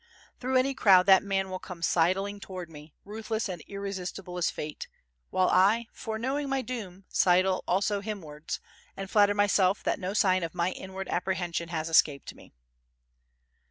Through any crowd that man will come sidling towards me, ruthless and irresistible as fate; while I, foreknowing my doom, sidle also him wards, and flatter myself that no sign of my inward apprehension has escaped me.